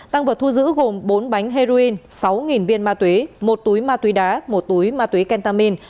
tăng vật thu giữ gồm bốn bánh heroin sáu viên ma túy một túi ma túy đá một túi ma túy kentamin